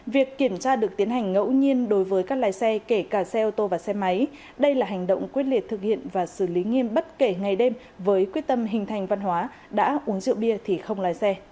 việc kiểm tra được tiến hành ngẫu nhiên đối với các lái xe kể cả xe ô tô và xe máy đây là hành động quyết liệt thực hiện và xử lý nghiêm bất kể ngày đêm với quyết tâm hình thành văn hóa đã uống rượu bia thì không lái xe